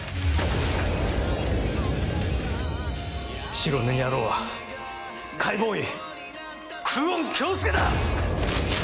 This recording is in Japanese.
白塗り野郎は解剖医久遠京介だ！